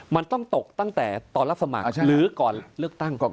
มันต้องตกตั้งแต่ตอนรับสมัครหรือก่อนเลือกตั้งก่อน